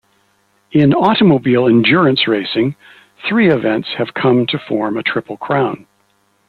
In automobile endurance racing, three events have come to form a Triple Crown.